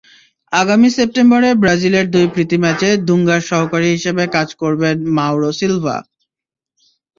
আগামী সেপ্টেম্বরে ব্রাজিলের দুই প্রীতিম্যাচে দুঙ্গার সহকারী হিসেবে কাজ করবেন মাওরো সিলভা।